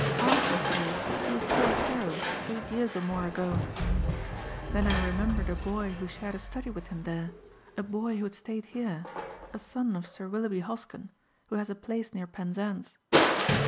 Arthur thought he was still at Harrow eight years or more ago. Then I remembered a boy who shared a study with him there, a boy who had stayed here, a son of Sir Willoughby Hosken who has a place near Penzance.